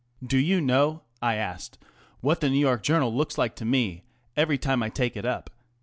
Do you know," I asked, " what the New York Journal looks like to me every time I take it up